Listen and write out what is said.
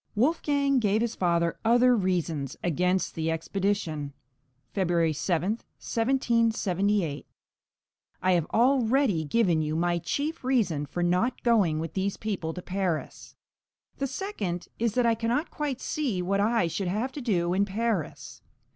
Wolfgang gave his father other reasons against the expedition (February 7, 1778): I have already given you my chief reason for not going with these people to Paris. The second is that I cannot quite see what I should have to do in Paris.